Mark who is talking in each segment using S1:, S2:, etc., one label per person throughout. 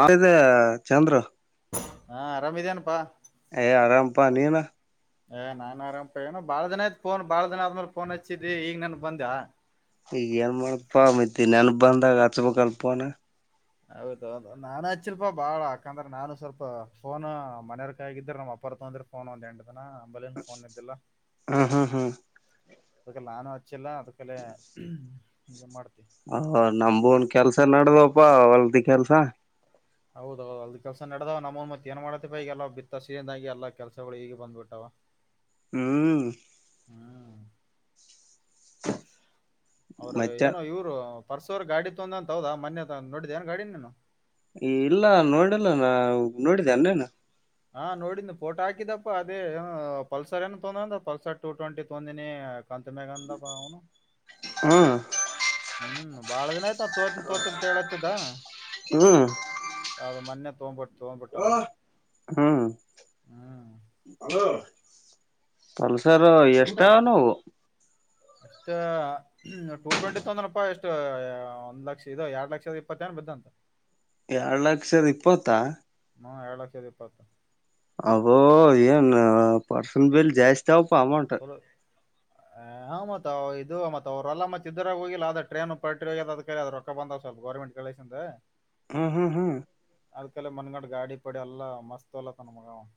S1: ಅದ ಚಂದ್ರ
S2: ಹಾ ಆರಾಮದೇನೇಪಾ
S1: ಎ ಆರಾಮಪಾ ನಿನ
S2: ಏ ನಾನ್ ಆರಾಮಪ್ಪ ಏನು ಬಾಳ ದಿನ ಆಯ್ತ ಫೋನ್ ಬಾಳ ದಿನ ಆದ್ಮೇಲ ಫೋನ್ ಹಚ್ಚಿದಿ ಈಗ ನೆನಪ ಬಂದ
S1: ಈಗ ಏನ್ ಮಾಡಪ ಮತ್ತ ನೆನಪ ಬಂದಾಗ ಹಚ್ಬೇಬೆಕಲ್ಲ ಫೋನ್.
S2: ಹೌದ ಹೌದ ನಾನ ಹಚ್ಚಿಲ್ಪಾ ಬಾಳ ಯಾಕಂದ್ರ ನಾನು ಸ್ವಲ್ಪ ಫೋನ್ ಮನೆಯರ್ಕ ಇದ್ರ ನಮ್ಮ ಅಪ್ಪರ ತ ಫೋನ್ ಒಂದ ಎಂಟದಿನ ಅಂಬಲನ್ ಫೋನ್ ಇದ್ದಿಲ್ಲ
S1: ಹ್ಮ್ ಹ್ಮ್ ಹ್ಮ್
S2: ಕಲೆ ನಾನು ಹಚ್ಚಿಲ್ಲ ಅದಕಲೇ ಏನ್ ಮಾಡ್ತಿ.
S1: ಹ ನಂಬುನು ಕೆಲ್ಸ ನಡದವಪಾ ಹೊಲ್ದ ಕೆಲ್ಸ
S2: ಹೌದೋ ಹೊಲ್ದ ಕೆಲ್ಸ ನಡದವ ನಮ್ಮೂ ಮತ್ತ ಏನ್ ಮಾಡತಿಪಾ ಈಗಲ್ಲ ಬಿತ್ತ ಸಿದಾಗಿ ಎಲ್ಲ ಕೆಲಸಗಳು ಈಗ ಬಂದ ಬಿಟ್ಟವ. [inaudible]
S1: ಹ್ಮ
S2: ಹ್ಮ ಅವರ
S1: ಮತ್ತೆ
S2: ಏನೋ ಇವ್ರು ಪರ್ಸವರು ಗಾಡಿ ತೊಂದ ಅಂತ ಹೌದಾ ಮನ್ನೆ ಅದ ನೋಡಿದೆನ್ ಗಾಡಿ ನೀನು
S1: ಇಲ್ಲ ನೋಡಿಲ್ಲ ನಾ ನೋಡಿದನ ನಿನ
S2: ಹಾ ನೋಡಿದ್ನಿ ಫೋಟೋ ಹಾಕಿದಪ್ಪಾ ಅದೇ ಅ ಪಲ್ಸರ್ ಏನ ತೊಂದ ಪಲ್ಸರ್ ಟು ಟ್ವೆಂಟಿ ತೊಂದಿನಿ ಅಂತ ಮೆಗಂದಪ್ಪ ಅವನು
S1: ಹ್ಮ್
S2: ಹ್ಮ ಬಾಳ ದಿನ ಆಯ್ತ ಅ ತುತೋನ ತುತೋನ ಅಂತ ಹೇಳತಿದ
S1: ಹ್ಮ್
S2: ಅದ ಮೊನ್ನೆ ತೊಂಬಿಟ್ಟ.
S1: ಆ ಹ್ಮು
S2: ಹ್ಮ್
S1: ಹಲೊ ಹಲೊ ಸರು ಎಷ್ಟ ನವು.
S2: ಅಷ್ಟೇ. ಹ್ಮ್ ಟು ಟ್ವೆಂಟಿ ತಂದನಪ್ಪಾ ಎಷ್ಟು ಒಂದ್ ಲಕ್ಷ ಇದೋ ಎರಡ್ ಲಕ್ಷದ ಇಪ್ಪತ್ತೇನ ಬಿದ್ದಂತೆ.
S1: ಎರಡು ಲಕ್ಷದ್ ಇಪ್ಪತ್ತಾ.
S2: ಹ್ಮ್ ಎರಡ್ ಲಕ್ಷದ್ ಇಪ್ಪತು.
S1: ಅಬೋ ಏನ್ ಪರ್ಸನ್ ಬಿಲ್ ಜಾಸ್ತಿ ಆವಪ್ಪಾ ಅಮೌಂಟು.
S2: ಹ ಹಾ ಮತ್ ಇದು ಮತ್ ಅವ್ರೆಲ್ಲ ಮತ್ ಇದ್ರಾಗ್ ಹೋಗಿಲ್ಲ ಅದ ಟ್ರೇನ್ ಪ್ರಿ ಹೋಗದ ಕ್ರ ಬಂದಾವ್ ಸಲ್ಪ ಗೌರ್ಮೆಂಟ್ ಕೆಲಸಕ್ಕೆ.
S1: ಹ್ಮ್ ಹ್ಮ್ ಹ್ಮ್
S2: ಅದ್ಕಲೆ ಮನ್ಗಂಡ ಗಾಡಿ ಪಡಿ ಎಲ್ಲ ಮಸ್ತ್ [unintelligible] ನನ್ ಮಗ ಅವ್ನು.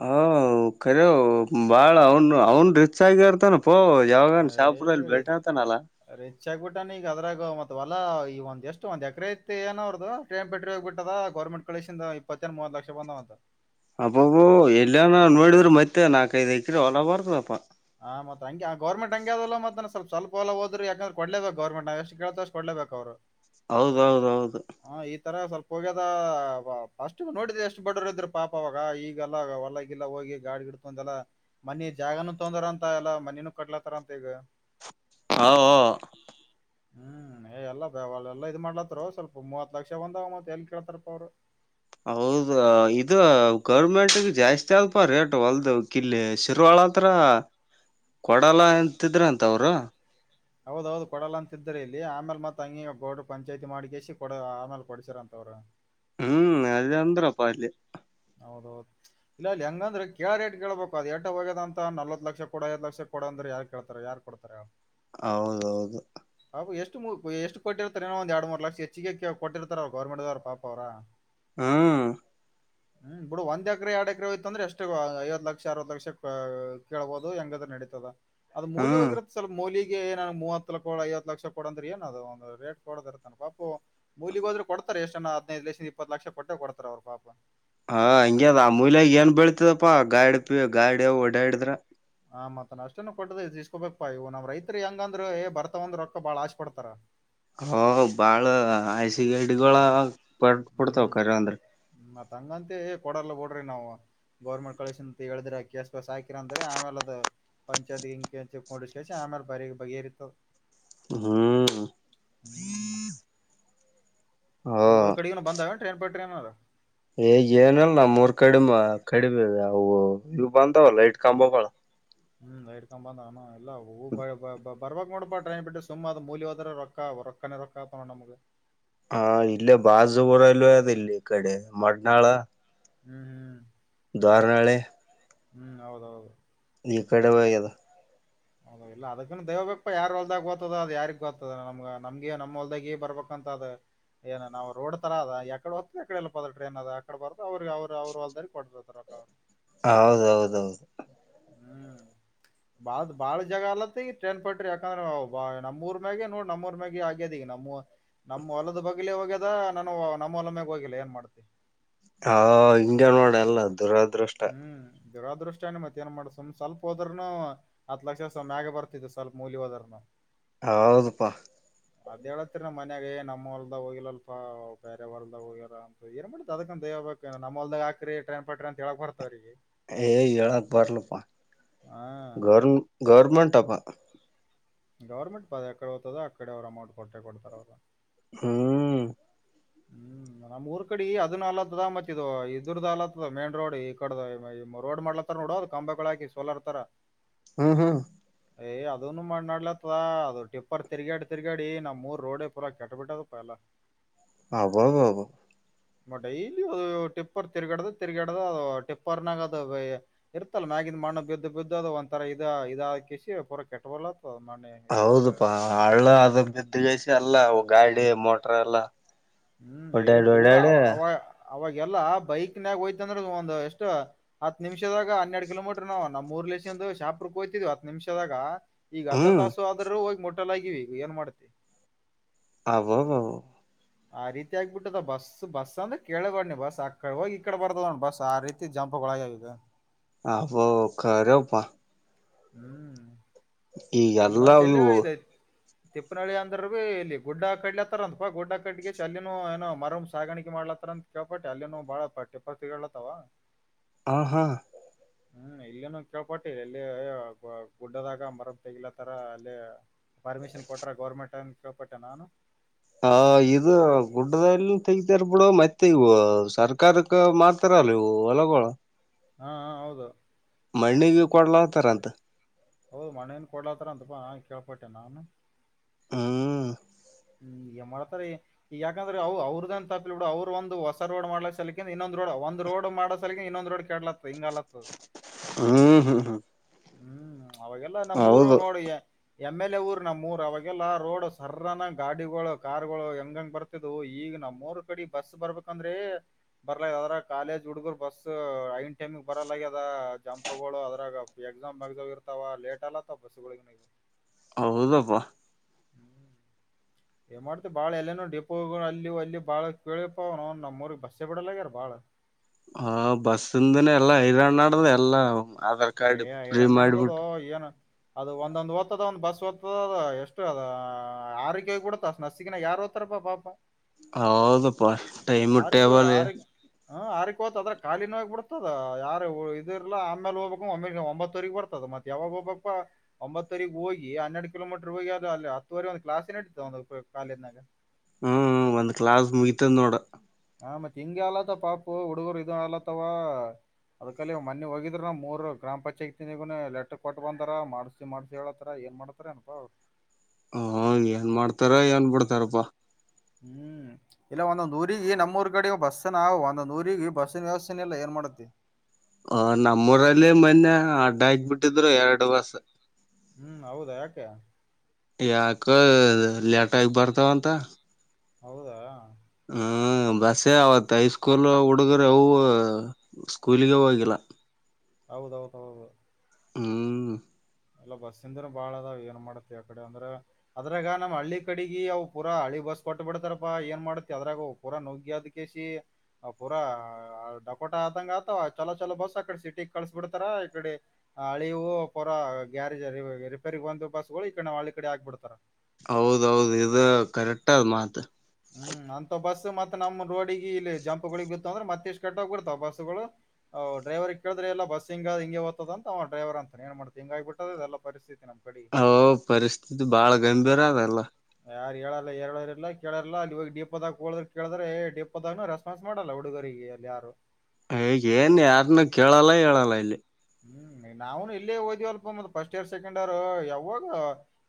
S1: ಹ ಖರೆ ಬಾಳ ಅವನು ಅವನ್ ರಿಚ್ ಆಗ್ಯರ್ತಾನಪ್ಪೋ.
S2: ಅವ
S1: ಯಾವಾಗನ ಶಾಪುರ್ ದಲ್
S2: ಏ
S1: ಬೆಟ್ಟ ಅತನಲ್ಲ.
S2: ರಿಚ್ ಆಗ್ಬಿಟ್ಟಾನ ಈಗ ಅದ್ರಾಗ ಮತ್ ಹೊಲಾ ಈಗ ಒಂದ್ ಎಷ್ಟು ಒಂದ್ ಎಕ್ರೆ ಐತ್ತು ಏನ ಅವಾರ್ದು. ಟ್ರ ಹೋಗ ಬಿಟ್ಟದ ಗೌರ್ಮಂಟ್ ಕಳಿಸಿಂದ ಇಪ್ಪತ್ತನ್ ಮೂವತ್ ಲಕ್ಷ ಬಂದದ್ ಅಂತ.
S1: ಅಬೊಬೊ ಎಲ್ಲನ ನೋಡಿದ್ರೆ ಮತ್ತೆ ನಾಕೈದು ಎಕ್ರಿ ಹೊಲಾ ಬರ್ತದಪ್ಪಾ.
S2: ಹಾ ಮತ್ ಹಂಗೆ ಆ ಗರ್ಮಂಟ್ ಹಂಗ್ಯದಲ್ಲ ಮತ್ತ ಸ್ವಲ್ ಸ್ವಲ್ಪ ಹೊದ್ರಿ ಯಕಂದ್ರ ಕೊಡ್ಲೆ ಬೇಕ್ ಗೌರ್ಮೆಂಟ್ ನಾಗ ಎಷ್ಟ್ ಕೇಳ್ತರ ಅಷ್ಟ್ ಕೊಡ್ಲೆ ಬೇಕ್ ಅವ್ರು. [inaudible]
S1: ಹೌದೌದೌದು.
S2: ಹ ಈ ತರ ಸ್ವಲ್ಪ ಹೋಗ್ಯದ ಫಸ್ಟ್ ನೋಡಿದ ಎಷ್ಟು ಬಡವರು ಇದ್ರ ಪಾಪ ಅವಾಗ ಈಗೆಲ್ಲ ಹೊಲ ಇಲ್ಲ ಹೋಗಿ ಗಾಡಿ ಇಡ್ಕೊಂದಲ್ಲ ಮನಿ ಜಾಗನು ತೊಂದ್ರ ಅಂತ ಎಲ್ಲ ಮನಿನು ಕಟ್ಲತಾರ ಅಂತ ಈಗ.
S1: ಅ ವೊ.
S2: ಹ [unintelligible] ಹ್ಮ್ ಏ ಎಲ್ಲ ಬ ಎಲ್ಲ ಇದ್ [unintelligible] ಮಾಡ್ಲತ್ತರು ಸ್ವಲ್ಪ ಮೂವತ್ ಲಕ್ಷ ಒಂದ ಮೂತ್ ಎಲ್ ಕೇಳ್ತಾರಪ್ಪ ಅವ್ರು.
S1: ಹೌದ ಇದು ಗೌರ್ಮೆಂಟ್ ಜಾಸ್ತಿ ಆದಪಾ ರೇಟ್ ಹೊಲ್ದ ಕಿಲ್ಲಿ ಶೀರ್ವಾಳ. ಹತ್ರ ಕೊಡಲ್ಲ ಅಂತಿದ್ರಂತ ಅವ್ರು.
S2: ಹೌದೌದು ಕೊಡಲ್ಲ ಅಂತಿದ್ರಿಲ್ಲಿ ಇಲ್ಲಿ ಆಮೇಲ್ ಮತ್ ಅಂಗೆ ಗೌಡ್ರು ಪಂಚಾಯ್ತಿ ಮಾಡ್ಸ್ ಆಮೇಲ್ ಕೊಡ್ಸರಂತವರು.
S1: ಹ್ಮ್ ಅದೆ ಅಂದ್ರಪ್ಪ ಅಲ್ಲಿ.
S2: ಹೌದೌದು ಇಲ್ಲ ಅಲ್ಲಿ ಹೆಂಗಂದ್ರೆ ಕೇಳ ರೇಟ್ ಕೇಳ್ಬೇಕು ಅದು ಎಟ ಹೋಗ್ಯದಂತ ನಲವತ್ ಲಕ್ಷ ಕೊಡು ಐವತ್ ಲಕ್ಷ ಕೂಡ ಅಂದೆ ಯಾರ್ ಕೇಳ್ತಾರ ಯಾರ್ ಕೊಡ್ತಾರ. [inaudible]
S1: ಹೌದೌದು
S2: ಪಾಪ ಎಷ್ಟು ಎಷ್ಟು ಕೊಟ್ಟಿರ್ತಾರೆ ಏಳು ಒಂದ ಎರಡು ಮೂರು ಲಕ್ಷ ಹೆಚ್ಚಿಗೆ ಕೊಟ್ಟಿರ್ತಾರೆ ಅವ ಗೌರ್ಮೆಂಟ್ ದವ್ರ ಪಾಪ ಅವ್ರ.
S1: ಹ್ಮ್
S2: ಹ್ಮ್ ಬಿಡು ಒಂದ್ ಎಕ್ರೆ ಎರಡ್ ಎಕ್ರೆ ಹೊಯ್ತು ಅಂದ್ರೆ ಎಷ್ಟು ಐವ್ ಲಕ್ಷ ಅರವತ್ ಲಕ್ಷ ಕೇಳ್ಬದು ಹೆಂಗ್ರ ಅಂದ್ರೆ ನಡೀತದೆ. ಅದು
S1: ಹ್ಮ್
S2: ಮೌಲ್ಯವಾಗಿರೊ. ಸ್ವಲ್ಪ ಮೂಲಿಗೆ ಏನನ್ ಮೂವತ್ ಕೊಡು ಐವತ್ ಲಕ್ಷ ಕೊಡು ಅಂದ್ರೆ ಏನ್ ಅದು ಒಂದು ರೇಟ್ [unintelligible] ಪಾಪು ಕೊಲಿಗ್ ಹೋದ್ರೆ ಕೊಡ್ತಾರೆ ಎಷ್ಟನ ಹದಿನೈದ್ ಲಕ್ಷದಿಂದ ಇಪ್ಪತ್ ಲಕ್ಷ ಕೊಟ್ಟೆ ಕೊಡ್ತಾರೆ ಅವ್ರ ಪಾಪ.
S1: ಹಾ ಹಂಗೆದ ಆ ಮೂಲ್ಯಾಗ ಏನ್ ಬೆಳ್ತದಪ್ಪಾ ಗಾಡಿ ಪಿ ಗಾಡ ಓಡಾಡಿದ್ರ.
S2: ಹಾ ಮತ್ತ ಅಷ್ಟನ್ ಕೊಟ್ಟ್ದೀಸ್ಕೊಬೇಕಪ್ಪಾ ಇವು ನ್ ರೈತ್ರಿ ಹೆಂಗಂದ್ರ ಬರ್ತಾವಂದ್ರ ರಕ್ಕ ಬಾಳ ಆಶೆ ಪಡ್ತಾರ.
S1: ಹ ಬಾಳ ಆಶಿ ಗೆಡಿಗಳ [unintelligible]
S2: ಹ್ಮ್
S1: ಕರ ಅಂದ್ರ
S2: ಮತ್ ಅಂಗಂತ ಎ ಕೊಡಲ್ಲ ಬಿಡ್ರಿ. ಗೌರ್ಮೆಂಟ್ ಕಳಸ ಅಂತ ಹೇಳಿದ್ರ ಕೇಸ್ ಪಿಸ್ ಹಾಕಿರಂದ್ರೆ ಆಮೇಲೆ ಅದು. ಪಂಚಾಯತ್ಗೆ ಇಂಕೆ [unintelligible] ಆಮೇಲ್ ಬಗೆ ಅರಿತದ.
S1: ಹ್ಮ ಹಾ
S2: ಹ್ಮ್
S1: ಹಾ
S2: ನಿಮ್ಮ ಕಡೆಗ ಬಂದಾವ ಟ್ರೈನ್ ಮೇಲೆ ಟ್ರೈನ್
S1: ಈಗ್ ಏನಲ್ಲ ನಮ್ಮ ಊರು ಕಡಿ ಕಡಿಮ ಅವು ಈ ಬಂದವ ಲೈಟ್ ಕಂಬಗಳು
S2: ಹ್ಮ್ ಲೈಟ್ ಕಂಬಗಳು ಎಲ್ಲ ಹಬ ಬರ್ಬೇಕಕ್ ನೋಡಪ ಟ್ರೈಮ ಬಿಟ್ಟುಮ್ಮ ಅದು ಮೂಲಿ ಹದ್ರ ರೊಕ್ಕ ರೊಕ್ಕನ ರೊಕ್ಕತ ನೋ ನಮಗೆ
S1: ಹಾ ಇಲ್ಲ ಬಾಜರಲ್ಲ ಅದ ಇಲ್ಲ ಈ ಕಡೆ ಮಡ್ನಾಳ
S2: ಹ್ಮ್ ಹ್ಮ್
S1: ದ್ವಾರ ನಳೆ
S2: ಹ್ಮ್ ಹೌದೌದು
S1: ಈ ಕಡೆವದು
S2: ಹೌದ ಇಲ್ಲ ಅದಕ್ಕೂ ದಯವ್ಯಪ್ಪ ಯಾರ ಹೊಲ್ದಾಗ ಗೊತ್ತದ ಅ ಯಾರಿಗ್ ಗೊತ್ತದ ನಮ್ಗ ನಮ್ಗೆ ನಮ್ಮ್ ಹೊಲ್ದಾಗೇ ಬರ್ಬೇಕಂತ ಅ ಏನ ನಾವು ರೋಡ್ ತರ ಅದಕಡೆ ಹದ್ ಎಕಡೆ ಎಲ್ಲದ್ರ ಟ್ರೈನ್ ಅದ ಅಕಡೆ ಬರ್ದು ಅವ್ರಿಗೆ ಅವ್ರ ಅವರು ಅಲ್ದ ಕೊಡ ಸ ದರಕಾರ
S1: ಹೌದೌದೌದು
S2: ಹ್ಮ್ ಬಾಳ ಬಾಳ ಜಾಗ ಅಲತ್ತತ್ ಈಗ ಟ್ರೇನ್ ಪಟ್ರಿ ಯಾಕಂದ್ರ ನಮಮ್ಮೂಊರ್ ಮ್ಯೆ ನೋಡ್ ನಮ್ಮ ಊರ್ ಮ್ಯೆ ಆಗ್ಯದ ಈಗ ನಮ್ಮ್ ನಮ್ಮ್ ಹೊಲದ ಬಗ್ಲ ಹೋಗ್ಯದ ನಾನು ನಮ್ಮ ಹೊಲ ಮ್ಯಾಗ ಹೋಗಿಲ್ಲ ಏನ್ ಮಾಡ್ತತಿ
S1: ಹ ಹಿಂಗೆನ್ ನೋಡ ಎಲ್ಲ ದುರದೃಷ್ಟ
S2: ಹ್ಮ್ ದುರಾದೃಷ್ಟಾನ ಮತ್ತ ಏನ್ ಮಾಡ್ ಸುಮ್ ಸ್ವಲ್ಪ ಹೋದ್ರನು ಹತ್ ಲಕ್ಷ ಸ ಮ್ಯಾಗ ಬರ್ತಿದ್ದತ್ತು ಸ್ವಲ್ಪ ಮೂಲ್ ಹೋದರ್ನ
S1: ಹೌದಪ್ಪಾ
S2: [inaudible] ಅದ್ ಹೇಳತ್ತರಿ ನಮ್ಮ ಮನ್ಯಾಗೇ ನಮ್ಮ ಹೊರ್ದ ಹೋಗಿಲ್ಲಲ್ಪ ಬೇರೆವರ್ಲ್ದ ಹೋಗಿರ ಅಂತ ಏನ್ ಮಾಡತ ಅದಕಂದ ದಯ ಬ ನಮ್ಮಲ್ದ ಹಾಕಿ ಟ್ರನ್ ಪಟ್ರ ಅಂತ ಹೇಳಕ್ ಬರುತ್ತೆ ಅವರಿಗೆ
S1: ಏಯ್ ಹೇಳಕ್ಕೆ ಬರ್ಲಿಪ್ಪ
S2: ಹಾ
S1: ಗರ್ ಗರ್ಮೆಂಟಾಪ್ಪ
S2: ಗೌರ್ಮೆಂಟ್ ಪದ ಎಕಡೆ ಹ್ದ ಅಡೆ ಅವರು ಅಮೌಂಟ್ ಕೊಟ್ಟೇ ಕೊಡ್ತಾರೆ ಅವರು
S1: ಹ್ಮ್
S2: ಹ್ಮ್ ನಮ್ ಊರ್ ಕಡೆ ಅದನ್ ಅಲತ್ತದ ಮತ್ತ ಇದು ಇದರ್ದು ಅಲತ್ತದ ಮೇನ್ ರೋಡ್ ಈ ಕಡ ರೋಡ್ ಮಾಡ್ಲತ್ತ ನೋಡೋದು ಕಂಬಗಳ ಹಾಕಿ ಸೋಲರ್ ತರ
S1: ಹ್ಮ್ ಹ್ಮ
S2: ಯ್ ಅದನು ಮಾಡನಾಡ್ಲತ್ತ ಅದು ಟಿಪ್ಪರ್ ತಿರ್ಗಾಡಿ ತಿರ್ಗಾಡಿ ನಮ್ಮೂರ್ ರೋಡ್ ಪುಾರ ಕಟಬೇಟ್ಟಾ ತಪ್ಪ ಎಲ್ಲ
S1: ಅಬ್ಬಬ್ಬಾ
S2: ಡೈಲಿ ಅದು ಟಿಪ್ಪರ್ ತಿರ್ಗಡ್ದ ತಿರ್ಗಾಡ್ದ ಅದು ಟಿಪ್ಪರ್ನಾಗ ಅದು ಇರ್ತಲ್ಲ ಮ್ಯಾಗಿ ಮಣ್ಣು ಬಿದ್ದ ಬಿದ್ದದು ಒಂದಥರ ಇದ ಇದಕಿಸಿ ಪೂರ ಕೆಟ್ಟಬಲತ್ತ ಮಣ್ಣೆ ಇದು
S1: ಹೌದಪಾ ಹಳ್ಳ ಅದ ಬಿದ್ದಗಿಸಿ ಅಲ್ಲ ಗಾಡಿ ಮೋಟ್ರ ಎಲ್ಲಾ
S2: ಹ್ಮ್ ಏ ಪೂರಾ ಅವ ಅವ ಅವಾಗೆಲ್ಲ ಬೈಕ್ನ್ಯಾಗ ಹೋಯ್ತಂದ್ರ ಒಂದು ಎಷ್ಟ ಹತ್ ನಿಮಿಷದಾಗ ಹನ್ನೆರಡು ಕಿಲೋಮೀಟರ್ ನಾವು ನಮ್ಮ್ ಊರ್ ಲಸಂದು ಶಾಪುಕ್ಕೆ ಹೋದ್ವಿ ಹತ್ ನಿಮಿಷದಾಗ ಈಗ ಅರ್ಧ
S1: ಹ್ಮ್
S2: ತಾಸು ಆದ್ರರುೂ ಹೋಗಿ ಮೊಟ್ಟೆ ಆಗಿವಿ ಈಗ ಏನ್ ಮಾಡ್ತಿ
S1: ಅಬ್ಬಬ್ಬಾ
S2: ಆ ರೀತಿ ಆಗ್ಬ ಬಿಟ್ಟದ ಬಸ್ ಬಸ್ ಅಂದ್ರ ಕೇಳಗೋಡ್ ಬಸ್ ಆಕಡೆ ಹೋಗಿ ಈ ಕಡೆ ಬರ್ತದ ಬಸ್ ಆ ರೀತಿ ಜಂಪ್ ಒಳಗ ಆದೆ
S1: ಓ ಖರೆ ಅಪ್ಪ.
S2: ಹ್ಮ್ ಇಲ್ಲಿ
S1: ಈಗೆಲ್ಲ
S2: ಮತ್ತೆ ಎಲ್ಲೊ
S1: ಇವು
S2: ಇದೆ ತಿಪ್ಪನಳ್ಳಿ ಅಂದ್ರ ಭೀ ಇಲ್ಲಿ ಗುಡ್ಡ ಕಡ್ಲತ್ತಾರ ಅಂತಪಾ ಗುಡ್ಡ ಕಡ್ಗೆ ಚಲನ ಏನೋ ಮರ್ ಸಾಗಾಣಿಕೆ ಮಾಡ್ಲತ್ತಾರಂತ. ಕೇಲ್ಪಟ್ಟೆ ಅಲ್ಲಿನೂ ಬಾಳ ಪಟ್ಟ್ಯ ಪತಿಲತ್ತವ.
S1: ಹಾ ಹಾ
S2: ಹ್ಮ್ ಇಲ್ಲೇನ ಕೇಳ್ಪಟ್ಟಿ ಎಲ್ಲಿ ಗುಡ್ಡದಾಗ ಮರ ತೆಗಿಲತರ ಅಲ್ಲಿ ಪರ್ಮಿಷನ್ ಕೊಟ್ರ ಗೌರ್ಮೆಂಟ್ ಅಂತ ಕೇಳ್ಪಟ್ಟೆ ನಾನು.
S1: ಹ ಇದು ಗುಡ್ಡಲ್ಲ ತೆಗತರ್ ಬಿಡು ಮತ್ತೆ ಇವ ಸರ್ಕಾರಕ್ಕೆ ಮಾತ್ರ ಅಲ್ಲವು ಹೊಲಗೋಳ.
S2: ಹಾ ಹಾ ಹೌದು.
S1: ಮಣ್ಣಿ ಕೊಡ್ಲಾಂತಾರಂತ.
S2: ಹೌದು ಮಣ್ಣೇನ್ ಕೊಡ್ಲತ್ತರ ಅಂತಪ್ಪಾ ಕೇಳ್ಪಟ್ಟೆ ನಾನು.
S1: ಹ್ಮ್
S2: ಹ್ಮ್ ಮಾಡತೇರಿ. ಈಗ ಯಾಕಂದ್ರೆ ಅವವು ಅವ್ರದನ್ ತಪ್ಪಿಲ ಬಿಡ ಅವ್ರರು ಒಂದ ಹೊಸ ರೋಡ್ ಮಾಡ್ಕ್ ಸಲಕಂದ ಇನ್ನೊಂದ್ ರೋಡ್ ಒಂದ ರೋಡ್ ಮಾಡ ಸಾಲೆಕಿಂದ ಇನ್ನೊಂದ ರೋಡ್ಡ ಕೇಡ್ಲಾತದು ಹಿಂಗಲತ್ತದು.
S1: ಹ್ಮ್ ಹ್ಮ್ ಹ್ಮ್
S2: ಹ್ಮ್ ಅವಾಗೆಲ್ಲ ನಮ್ಮ್ ಊರು
S1: ಹೌದು
S2: ನೋಡಿಗೆ ಎಮ್ ಎಲ್ ಎ ಊರ್ ನಮ್ಮ್ ಊರ್ ಅವಾಗೆಲ್ಲಾ ರೋಡ್ ಸರನ ಗಾಡಿಗಳು ಕಾರ್ ಗಳು ಹೆಂಗಂಗ್ ಬರ ತಿದ್ದುವು ಈಗ ನಮ್ಮೂರ್ ಕಡೆ ಬಸ್ ಬರ್ಬೇಕಂದ್ರೆ ಬರ್ಲ ಆಗ್ಯಾವ ಅದ್ರಗ ಕಾಲೇಜ್ ಹುಡ್ಗರು ಬಸ್ ಐನ್ ಟೈಮಿಗೆ ಬರಲ್ಲಗ ಅದ ಜಂಪ್ಗಳು ಅದ್ರಾಗ ಎಕ್ಸಾಮ್ಕ್ಸಾಮ್ ಮುಗ್ಧಗಿರ್ತಾವ ಲೇಟ್ ಅಲತ್ತವ ಬಸ್ಗಳಿಗೆ.
S1: ಹೌದಪ್ಪ.
S2: ಹ್ಮ್ ಏನ್ ಮಾಡ್ತಿ ಬಾಳ ಎಲ್ಲೇನೋ ಡೆಪೋಗಳು ಅಲ್ಲಿ ಅಲ್ಲಿ ಬಾಳ ಕೇಳಿಪ ನ ನಮ್ಮೂಊರಿಗೆಗ್ ಬಸ್ಸೆ ಬಿಡಲ್ಲ ಆಗ್ಯಾರ ಬಾಳ.
S1: ಹ ಬಸ್ಂದನ ಎಲ್ಲಾ ಹೈರಾಣನಾಡ್ದ ಎಲ್ಲ
S2: ಏ ಐರಣ್ಣ ನಡದುದೊ ಏನ್. ಅದು ಒಂದೊಂದ ಹೊತ್ತಾದ ಒಂದು ಬಸ್ ಹೊತ್ತುದ ಎಷ್ಟು ಅದ ಆರೂಕ್ಕೆ ಬಿಡ್ತುದು ನಸಕಿನಾಗ ಯಾರ ಗೊತ್ತಾರಪ್ಪ ಪಾಪ. [inaudible]
S1: ಹಾದಪ್ಪ ಟೈಮ್ ಟೇಬಲ್.
S2: ಹ್ಮ ಆರಿಕೋತದ ಖಾಲಿನ ಆಗ ಬಿಡ್ತದ ಯಾರ ಇದ ಇರ್ಲಾ ಆಮೇಲೆ ಹೋಗ ಒಂಬತ್ತವರೆರಿಗೆ ಬರ್ತದ ಮತ್ತತ್ ಯಾವಾಗ ಹೋಗಬೇಕೆಪ್ಪ. ಒಂಬತ್ತುವರೆಗ ಹೋಗಿ ಹನ್ನೆಡು ಕಿಲೋಮೀಟರ್ ಹೋಗಿ ಆದ್ರೆ ಅಲ್ಲಿ ಹತ್ತುವರೆ ಒಂದು ಕ್ಲಾಸೇ ನಡತದೆ ಒಂದು ಕಾಲೇಜ್ನಾಗ.
S1: ಹ್ಮ್ ಒಂದ್ ಕ್ಲಾಸ್ ಮುಗಿತದ್ ನೋಡ.
S2: ಹಾ ಮತ್ತ ಹಿಂಗೆ ಅಗಲತಾವ ಪಾಪು ಹಡುಗರು ಇದು ಆಲಾತವಾ. ಅದಕಲ್ಲಿ ಮೊನ್ನೆ ಹೋಗಿದ್ರ ಮೂರು ಗ್ರಾಮ ಪಂಚಾಯತಿನಗು ಲೆಟರ್ ಕೊಟ್ಟ ಬಂತಾರ ಮಾಡ್ಸಿ ಮಾಡ್ಸಿ ಹೇಳತಾರ ಏನ್ ಮಾಡತಾ [unintelligible] ಪ್ಪ.
S1: ಹಾ ಏನ್ ಮಾಡ್ತಾರ ಏನ್ ಬಿಡ್ತಾರಪ್ಪಾ.
S2: ಹ್ಮ್ ಇಲ್ಲ ಒಂದೊಂದ್ ಊರಿಗ ನಮ್ಮೂರ್ ಕಡೆ ಬಸ್ಸನ ಒಂದೊಂದ ಊರಿಗಿ ಬಸ್ಸ ವೆವಸ್ಥೆನೆ ಇಲ್ಲ ಏನ್ ಮಾಡತ್ತಿ.
S1: ಆ ನಮ್ಮೂರಲ್ಲಿ ಮೊನ್ನೆ ಅಡ್ಡ ಆಗ್ಬಿಟ್ಟಿದ್ರು ಎರಡು ಬಸ.
S2: ಹ್ಮ್ ಹೌದಾ ಯಾಕೆ.
S1: ಯಾಕೆ ಲೇಟಾಗಿ ಬರ್ತಾವಂತ.
S2: ಹೌದಾ.
S1: ಹ್ಮ ಬಸ್ಸೇ ಅವತ್ ಹೈ ಸ್ಕೂಲ್ ಹುಡುಗ್ರ ಅವ ಸ್ಕೂಲ್ಗ ಹೋಗಿಲ್ಲ.
S2: ಹೌದೌದೌದು
S1: ಹ್ಮ್
S2: ಎಲ್ಲೋ ಬಸ್ಸಿಂದ್ರ ಬಾಳ ಅದಾವ ಏನ್ ಮಾಡತಿಯ ಬಿಡೂ ಅಂದ್ರೆ ಅದ್ರಾಗ ನಮ್ ಹಳ್ಳಿ ಕಡಿಗಿ ಅವು ಪೂರ ಹಳ್ಳಿ ಬಸ್ ಕೊಟ್ಟು ಬಿಡ್ತಾರಪ್ಪಾ ಏನ್ ಮಾಡ್ತಿಯ ಅದ್ರಾಗ. ಪೂರಾ ನೋಗಿ ಅದಕ್ಕೆಸಿ ಆ ಪೂರ ಡಕೋಟ ಆದಂಗ ಆತವ ಚಲೋ ಚಲೋ ಬಸ್ ಅಕಡೆ ಸಿಟಿ ಕಳ್ಸ್ ಬಿಡ್ತಾರ ಇಕಡೆ ಹಳಿವು ಪೂರಾ ಗ್ಯಾರೇಜ್ ರಿಪೇರಿ ಬಂದು ಬಸ್ಗಳು ಈ ಕಡೆ ಹಳ್ಳಿ ಕಡೆ ಆಗ್ಬಿಡ್ತಾರ.
S1: ಹೌದೌದು ಇದು ಕರೆಕ್ಟ್ ಅದ ಮಾತ್
S2: ಹ್ಮ್ ಅಂತ ಬಸ್ ಮತ್ತ್ ನಮ್ ರೋಡಿಗೆ ಇಲ್ಲಿ ಜಂಪ್ಗಳಿಗೆ ಬಿತ್ತು ಅಂದ್ರೆ ಮತ್ತ್ ಇಷ್ಟ್ ಕೆಟ್ಟೋಗ್ ಬಿಡ್ತಾವ ಬಸ್ಸುಗಳು ಅವ್ ಡೈವರಿಗೆ ಕೇಳಿದ್ರೆ ಇಲ್ಲ ಬಸ್ ಹಿಂಗ್ ಹಿಂಗೆ ಹೋತ್ತದ ಅ ಅವ ಡೈವರ್ ಅಂತ ಏನ್ ಮಾಡ್ತೀಯ ಹಿಂಗ್ ಆಗ ಬಿಟ್ಟು ಅದೇಲಾ [unintelligible]
S1: ಓ ಪರಿಸ್ಥಿತಿ ಬಾಳ ಗಂಭೀರ ಅದೆಲ್ಲಾ.
S2: ಯಾರ ಹೇಳಲ್ಲ ಹೇರಳ್ ಎಲ್ಲಾ ಕೇಳಲ್ಲ ಇವಾಗ ಡಿಪೋದಾಗ ಹುಡುಗರು ಕೇಳಿದ್ರೆ ಡಿಪೋದಾಗನೂ ರೆಸ್ಪಾನ್ಸ್ ಮಾಡಲ್ಲ ಹುಡುಗರಿಗೆ ಅಲ್ಲಿ ಯಾರು.
S1: ಈಗ ಏನ್ ಯಾರನ್ನ ಕೇಳಲ್ಲ ಹೇಳಲ್ಲ ಇಲ್ಲಿ.
S2: ಹ್ಮ್ ನಾವೇನು ಇಲ್ಲೇ ಹೋದ್ದಿವಲ್ಪ ಮತ್ತ್ ಫಸ್ಟ್ ಇಯರ್ ಸೆಕೆಂಡ್ ಇಯರ್ ಯಾವಾಗ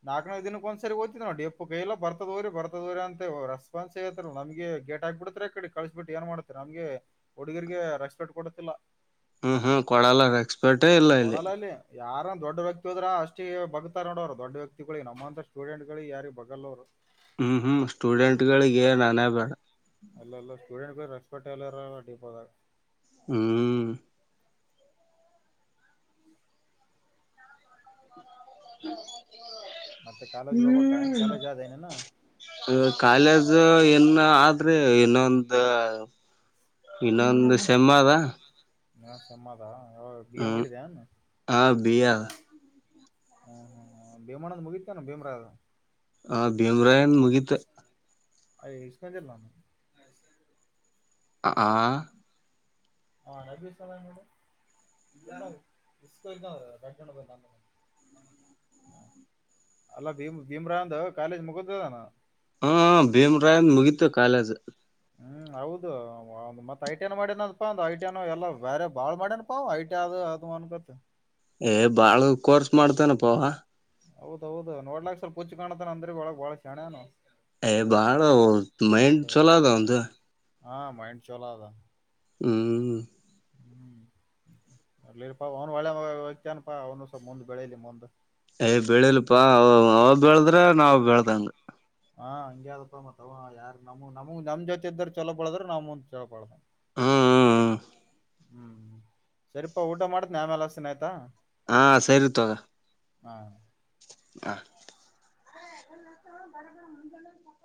S2: ನಾಕನೇ ದಿನಕ್ಕೆ ಒಂದು ಸರಿ ನೋಡಿ ಎಪ್ಪ ಕೈ ಎ ಬರ್ದತ್ ಹೋಗರಿ ಬರ್ ರ ಅಂತ ರೆಪಾನ್ಸ್ ತ್ ನಮಗೆ ಗೇಟ್ ಆಗ್ಬಿಡ್ರೆ ಕಡೆ ಕಳ್ಸ ಬಿಟ್ಟ ಏನ್ ಮಾಡ್ತಾರೆ ನಮಗೆ. ಹುಡುಗಿರಿಗೆ ರೆಸ್ಪೆಕ್ಟ್ ಕೊಡತಿಲ್ಲ
S1: ಹ್ಮ್ ಹ್ಮ್ ಕೊಡಲ್ಲಾ ರೇಸ್ಪೆಟೆ ಇಲ್ಲ ಇಲ್ಲಿ
S2: ಕೊಡಲ್ಲ ಅಲ್ಲಿ ಯಾರ ದೊಡ್ಡ ವ್ಯಕ್ತಿ ಹೋದ್ರೆ ಅಷ್ಟೇ ಬಗ್ತಾರ ನೋಡವರು ದೊಡ್ಡ ವ್ಯಕ್ತಿಗಳ ನಮ್ಮಂತ ಸ್ಟೂಡೆಂಟ್ ಗಳು ಯಾರಿಗೆ ಬಗಲ್ಲ ನಾವು.
S1: ಹ್ಮ್ ಹ್ಮ್ ಸ್ಟೂಡೆಂಟ್ಗಳಿಗೆ ಏನ್ ಹಣೆಬರ.
S2: ಅಲ್ಲೆಲ್ಲ ಸ್ಟೂಡೆಂಟ್ಗಳು ರೇಸ್ಪಟ್ಟೆ ಇಲ್ಲ ಇರಲ್ಲ ಡಿಪೋದಾಗ
S1: ಹ್ಮ್ [unintelligible]
S2: ಮತ್ತೆ ಕಾಲೇಜ್ ಹೋಗ್ಬೇಕ ಏನ್ ಕಾಲೇಜ್ ಆದೇನೆನೋ
S1: ಹ ಕಾಲೇಜ್ ಏನ್ ಆದ್ರೆ ಇನ್ನೊಂದು ಇನ್ನೊಂದು ಸೇಮ್ ಅದ
S2: ಹಾ ಸೇಮ್ ಆದ ಬಿಎ
S1: ಹ್ಮ್
S2: ಮಾಡಿದ್ದೇನ್
S1: ಆ ಬಿಎ
S2: ಹಾ ಹಾ ಬಿಎ ಮಾಡೋದು ಮುಗಿತೇನೋ ಭೀಮ್ರದೂ.
S1: ಹ ಭೀಮರಾಯನ್ದೂ ಮುಗೀತು.
S2: ಅ ಎಷ್ಟು ತಗ್ದೀನ್ ಅವನ್
S1: ಆ
S2: ಹಾಂ ನಬೀ ಸಲ ಮೇಡ್ ಯಾರು ರಟ ಬ ನ [unintelligible] ಹ ಅಲ್ಲ ಭೀಮ್ ಭೀಮ್ರಾಂದ್ ಕಾಲೇಜ್ ಮುಗುದಿದಾನು
S1: ಹಾ ಭೀಮ್ರಾಯಂದ್ ಮುಗಿತೂ ಕಾಲೇಜು.
S2: ಹ್ಮ್ ಹೌದು ಒ ಮತ್ ಐಟಿ ಮಾಡೇನಪ್ಪ ಅಂದ ಐಟಿ ಎಲ್ಲಾ ಬೇರೆ ಬಾಳ್ ಮಾಡ್ಯನ್ ಹ ಐಟಿ ಆದು ಅದು ಅನ್ ಗೊತ್
S1: ಏ ಬಾಳು ಕೋರ್ಸ್ ಮಾಡ್ತೇನಪ್ಪ.
S2: ಹೌದೌದ್ ನೋಡ್ಲಾಕ್ ಸ್ವಲ್ಪ ಹಚ್ಚು ಕಾಣತನ ಅಂದ್ರೆ ಒಳ ಬಾಳ ಶರಣನು
S1: ಅ ಬಾಳ ಮೈಂಡ್ ಚಲೋದ ಅವನದೂ
S2: ಹ ಮೈಂಡ್ ಚಲೋ ಅದ
S1: ಹ್ಮ್
S2: ಹ್ಮ್ ಅರ್ಲಿಪಾ ಅವ್ನು ಒಳೆ ಮ ಹೋಗ್ತಾನಪಾ ಅವನು ಸ ಮುಂದ್ ಬೆಳಿಲಿ ಮುಂದ್ [unintelligible]
S1: ಯ್ ಬೆಳಿಲ್ಪಾ ಅವ ಬೆಳದ್ರ ನಾವು ಬೆಳ್ದಂಗ.
S2: ಹಾ ಹಂಗದಪ್ಪ ಮವ ಯಾರ ನಮ ನಮಗ್ ನಮ್ ಜೊತೆ ಇದ್ದರು ಚಲೋ ಬಳದ್ರ ನಮ ಚಲ ಬಳ.
S1: ಹ್ಮ್ ಹ್ಮ್ ಹ್ಮ್.
S2: ಹ್ಮ್ ಸರಿಪಾ ಊಟ ಮಾಡತ್ನ ಆಮ್ಯಲೆ ಹಸಿತಿನಿ ಆಯ್ತಾ.
S1: ಹಾ ಸರಿ ತೂಗೂ.
S2: ಹಾ